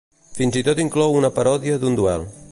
Fins i tot inclou una paròdia d'un duel.